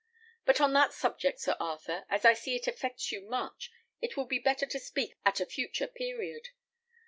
But on that subject, Sir Arthur, as I see it affects you much, it will be better to speak at a future period.